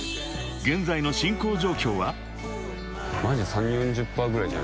現在の進行状況は？］